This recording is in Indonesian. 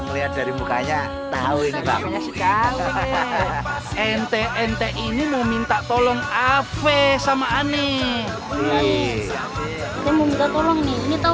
melihat dari mukanya tahu ini ente ente ini meminta tolong ave sama aneh ini tahu